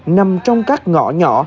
nằm trong các ngõ nhỏ